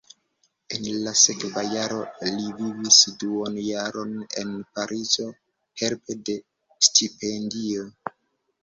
En la sekva jaro li vivis duonjaron en Parizo helpe de stipendio.